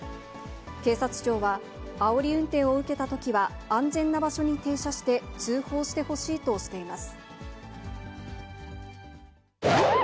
警察庁は、あおり運転を受けたときは、安全な場所に停車して、通報してほしいとしています。